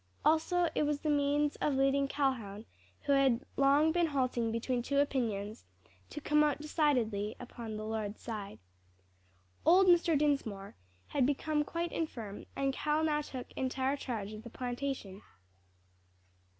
Also it was the means of leading Calhoun, who had long been halting between two opinions, to come out decidedly upon the Lord's side. Old Mr. Dinsmore had become quite infirm, and Cal now took entire charge of the plantation.